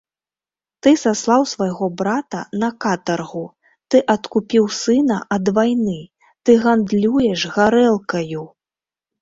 Ты саслаў свайго брата на катаргу, ты адкупіў сына ад вайны, ты гандлюеш гарэлкаю!